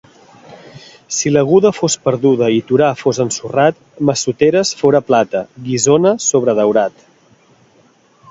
Si l'Aguda fos perduda i Torà fos ensorrat, Massoteres fora plata, Guissona sobredaurat.